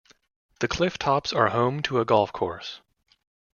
The cliff tops are home to a golf course.